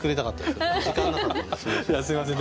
すみません